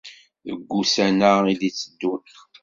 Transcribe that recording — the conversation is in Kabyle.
Deg wussan-a i d-itteddun.